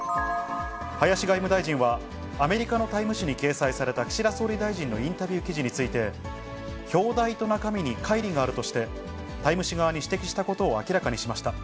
林外務大臣は、アメリカのタイム誌に掲載された岸田総理大臣のインタビュー記事について、表題と中身にかい離があるとして、タイム誌側に指摘したことを明らかにしました。